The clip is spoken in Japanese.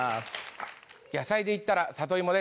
野菜で言ったら里芋です。